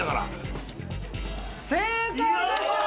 正解です！